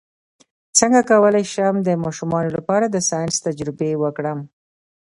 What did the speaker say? څنګه کولی شم د ماشومانو لپاره د ساینس تجربې وکړم